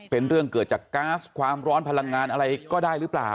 เป็นเรื่องเกิดจากก๊าซความร้อนพลังงานอะไรก็ได้หรือเปล่า